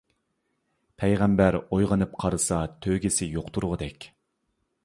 پەيغەمبەر ئويغىنى قارىسا تۆگىسى يوق تۇرغۇدەك.